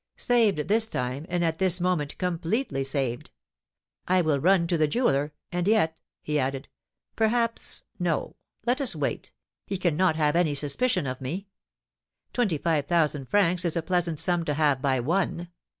Saved this time, and at this moment completely saved! I will run to the jeweller; and yet," he added, "perhaps no let us wait he cannot have any suspicion of me. Twenty five thousand francs is a pleasant sum to have by one!